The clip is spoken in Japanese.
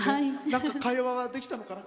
なんか会話はできたのかな。